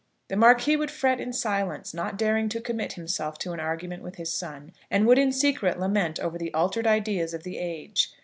The Marquis would fret in silence, not daring to commit himself to an argument with his son, and would in secret lament over the altered ideas of the age.